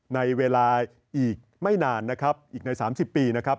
ในเวลาอีกไม่นานนะครับอีกใน๓๐ปีนะครับ